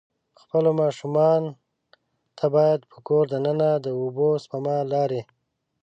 خپلو ماشومان ته باید په کور د ننه د اوبه سپما لارې.